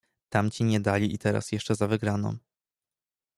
"Tamci nie dali i teraz jeszcze za wygraną."